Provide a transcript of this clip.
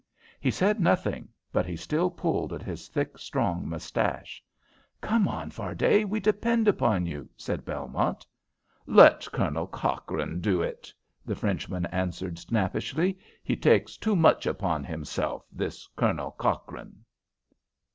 He said nothing, but he still pulled at his thick, strong moustache. "Come on, Fardet! We depend upon you," said Belmont. "Let Colonel Cochrane do it," the Frenchman answered, snappishly. "He takes too much upon himself, this Colonel Cochrane."